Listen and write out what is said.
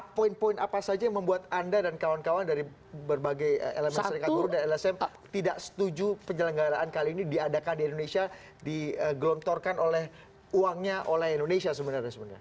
poin poin apa saja yang membuat anda dan kawan kawan dari berbagai elemen serikat buruh dan lsm tidak setuju penyelenggaraan kali ini diadakan di indonesia digelontorkan oleh uangnya oleh indonesia sebenarnya